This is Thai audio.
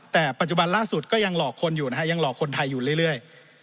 แต่ปัจจุบันล่าสุดก็ยังหลอกคนอยู่นะฮะยังหลอกคนไทยอยู่เรื่อย